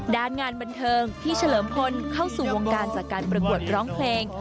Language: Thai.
งานบันเทิงพี่เฉลิมพลเข้าสู่วงการจากการประกวดร้องเพลง